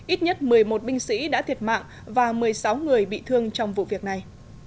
ít nhất một mươi một binh sĩ đã thiệt mạng và một mươi sáu người bị thương trong vụ việc này